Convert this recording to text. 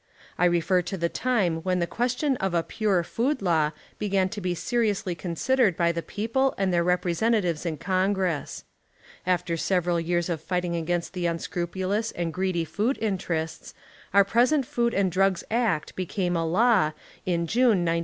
I refer to the time when the question of a Pure Food Law began to be seriously considered by the people and their representatives in Congress. After several years of fight ing against the unscrupulous and greedy food interests, our pres ent Food and Drugs Act became a law, in June, 1906.